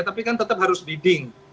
tapi kan tetap harus bidding